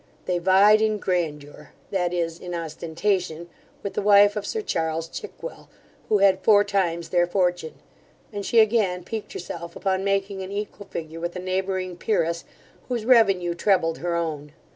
They vied in grandeur, that is, in ostentation, with the wife of Sir Charles Chickwell, who had four times their fortune; and she again piqued herself upon making an equal figure with a neighbouring peeress, whose revenue trebled her own.